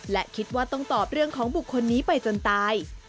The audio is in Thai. และคิดว่าต้องตอบเรื่องของบุคคลนี้ไปจนตาย